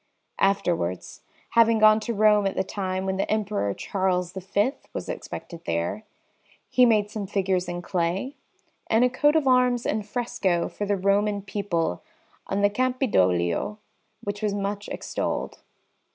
Afterwards, having gone to Rome at the time when the Emperor Charles V was expected there, he made some figures in clay, and a coat of arms in fresco for the Roman people on the Campidoglio, which was much extolled.